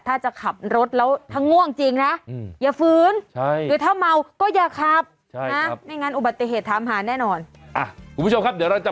ถ้าจะขับรถแล้วถ้าง่วงจริงนะอืมอย่าฟื้นใช่